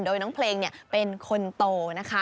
โดยน้องเพลงเป็นคนโตนะคะ